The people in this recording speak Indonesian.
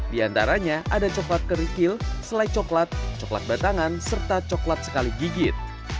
di antaranya ada coklat kerikil selai coklat coklat batangan serta coklat sekali gigit